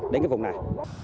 đến cái vùng này